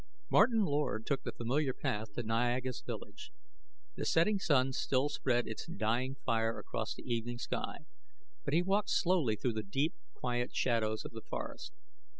Martin Lord took the familiar path to Niaga's village. The setting sun still spread its dying fire across the evening sky, but he walked slowly through the deep, quiet shadows of the forest.